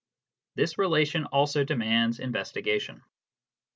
This relation also demands investigation.